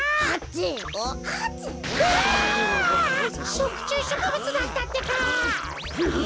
しょくちゅうしょくぶつだったってか。